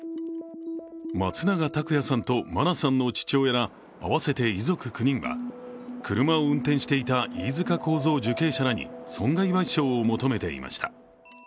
松永拓也さんと真菜さんの父親ら合わせて遺族９人は車を運転していた飯塚幸三受刑者らに損害賠償を求めていました。